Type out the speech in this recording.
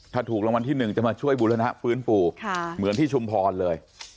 ถ้าถูกรางวัลที่๑จะมาช่วยบูรณะฟื้นฟูเหมือนที่ชุมพรเลย